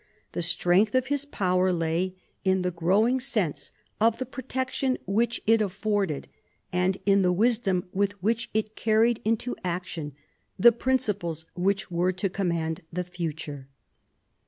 The strength of his power lay in the growing sense of the protection which it afforded, and in the wisdom with which he carried into action the principles which were to command the future.